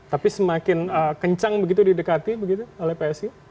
tapi semakin kencang begitu didekati begitu oleh psi